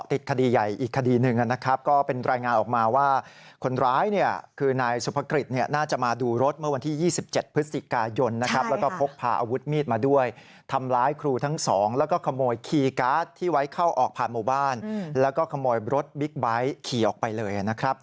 ติดคดีใหญ่อีกคดีหนึ่งนะครับก็เป็นรายงานออกมาว่าคนร้ายเนี่ยคือนายสุภกิจเนี่ยน่าจะมาดูรถเมื่อวันที่๒๗พฤศจิกายนนะครับแล้วก็พกพาอาวุธมีดมาด้วยทำร้ายครูทั้งสองแล้วก็ขโมยคีย์การ์ดที่ไว้เข้าออกผ่านหมู่บ้านแล้วก็ขโมยรถบิ๊กไบท์ขี่ออกไปเลยนะครับ